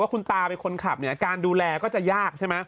คุณตาเป็นคนขับเนี่ยการดูแลก็จะยากใช่ไหม